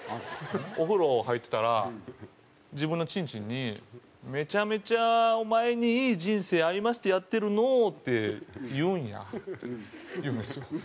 「お風呂入ってたら自分のチンチンに“めちゃめちゃお前にいい人生歩ませてやってるのう”って言うんや」って言うんですよ。